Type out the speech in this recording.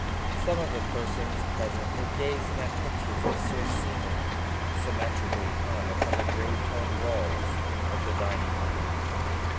Some of the persons present were gazing at pictures of Swiss scenery, symmetrically hung upon the gray toned walls of the dining room.